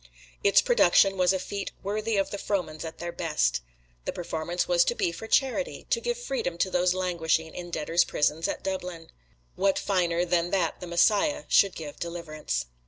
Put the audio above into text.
Its production was a feat worthy of the Frohmans at their best. The performance was to be for charity to give freedom to those languishing in debtors' prisons at Dublin. What finer than that the "Messiah" should give deliverance?